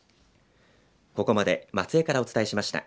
ここまで松江からお伝えしました。